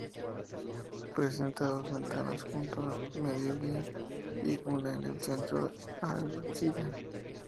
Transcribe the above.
Presenta dos ventanas junto a mediodía y una en el centro del ábside.